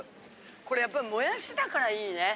これやっぱりもやしだからいいね。